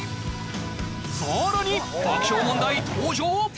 さらに爆笑問題登場！